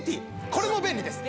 これも便利です